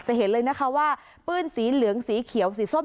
เห็นเลยนะคะว่าปื้นสีเหลืองสีเขียวสีส้ม